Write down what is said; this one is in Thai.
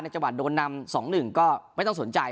จังหวัดโดนนำ๒๑ก็ไม่ต้องสนใจ